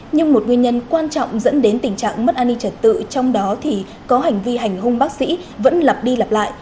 nhưng một nguyên nhân quan trọng dẫn đến tình trạng mất an ninh trật tự trong đó thì có hành vi hành hung bác sĩ vẫn lặp đi lặp lại